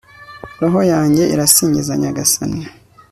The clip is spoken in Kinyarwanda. roho yanjye irasingiza nyagasani